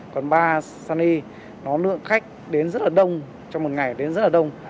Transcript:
còn bar sunny nó lượng khách đến rất là đông trong một ngày đến rất là đông